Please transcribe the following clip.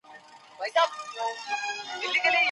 موږ غواړو د خلکو ګډ ټولنیز رفتار کشف کړو.